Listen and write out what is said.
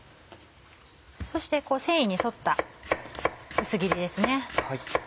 そして繊維に沿った薄切りですね。